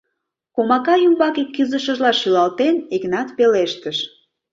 — Комака ӱмбаке кӱзышыжла шӱлалтен, Игнат пелештыш.